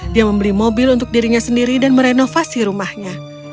dia membeli mobil untuk dirinya sendiri dan merenovasi rumahnya